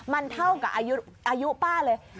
มันเท่ากับอายุป้าเลย